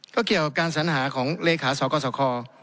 ก็เกี่ยวกับการสัญหาของเลขาสกสค